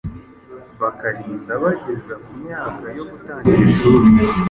bakarinda bageza ku myaka yo gutangira ishuri